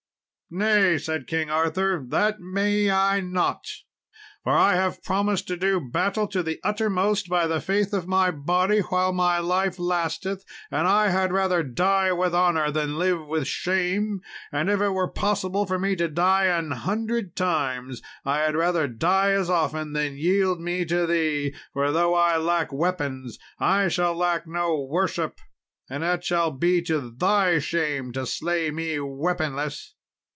"Nay," said King Arthur, "that may I not, for I have promised to do battle to the uttermost by the faith of my body while my life lasteth; and I had rather die with honour than live with shame; and if it were possible for me to die an hundred times, I had rather die as often than yield me to thee, for though I lack weapons, I shall lack no worship, and it shall be to thy shame to slay me weaponless."